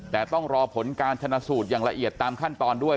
แต่ต้องรอผลการชนะสูตรอย่างละเอียดตามขั้นตอนด้วย